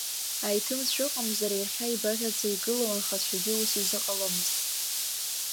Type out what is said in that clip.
Аеҭымцәа ыҟамзар, иахьа ибаӷьаӡа игылоу анхацәагьы ус изыҟаломызт.